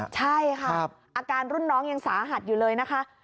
ใช่ค่ะอาการรุ่นน้องยังสาหัสอยู่เลยนะคะ